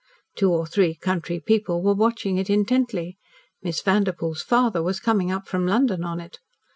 Two or three country people were watching it intently. Miss Vanderpoel's father was coming up from London on it.